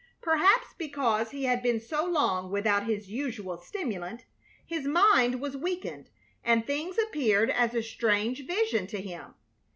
Perhaps because he had been so long without his usual stimulant his mind was weakened and things appeared as a strange vision to him.